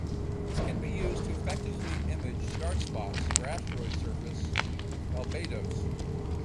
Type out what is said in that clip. This can be used to effectively image starspots or asteroid surface albedos.